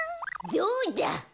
どうだ！